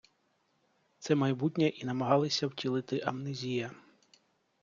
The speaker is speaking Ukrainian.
Це майбутнє і намагалися втілити «АмнезіЯ».